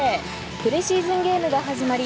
プレシーズンゲームが始まり